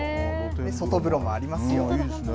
外風呂もありますよ。